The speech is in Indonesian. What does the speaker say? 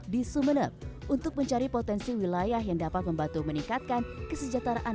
di sumeneb untuk mencari potensi wilayah yang dapat membantu meningkatkan kesejahteraan